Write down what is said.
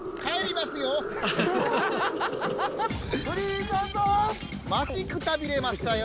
まちくたびれましたよ。